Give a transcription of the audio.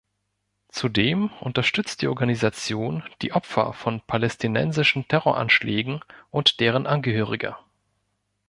Zudem unterstützt die Organisation die Opfer von palästinensischen Terroranschlägen und deren Angehörige.